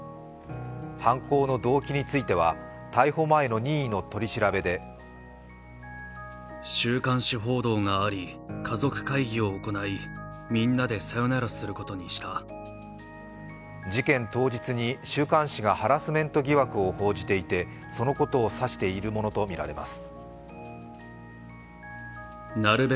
犯行の動機については逮捕前の任意の取調べで事件当日に週刊誌がハラスメント疑惑を報じていてそのことを指しているものとみられます。